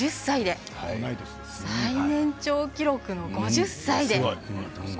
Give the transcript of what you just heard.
最年長記録の５０歳で！